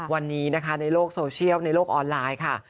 วันนี้นะคะในโลกโซเชียลในโลกออนไลน์ค่ะ